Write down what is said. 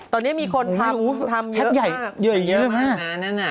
ตอนนี้มีคนถามเยอะมาก